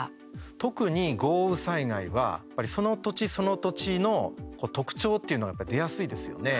特に豪雨災害はその土地その土地の特徴というのが出やすいですよね。